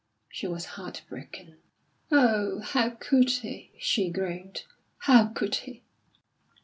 She was heart broken. "Oh, how could he!" she groaned. "How could he!"